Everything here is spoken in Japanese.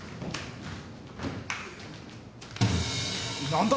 何だ？